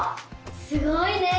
すごいね！